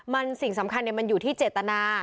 มันสิ่งสำคัญมันอยู่ที่เจตนา